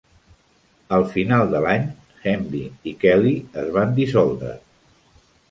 Al final de l'any, Hemby i Kelley es van dissoldre.